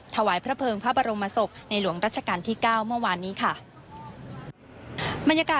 ถวายพระเภิงพระบรมศพในหลวงรัชกาลที่๙เมื่อวานนี้ค่ะ